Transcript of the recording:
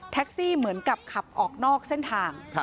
แท็กซี่เหมือนกับขับออกนอกเส้นทาง